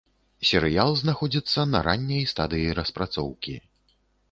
Серыял знаходзіцца на ранняй стадыі распрацоўкі.